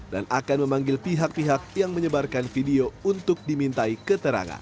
dan akan memanggil pihak pihak yang menyebarkan video untuk dimintai keterangan